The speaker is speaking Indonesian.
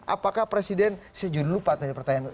apakah presiden saya juga lupa tadi pertanyaan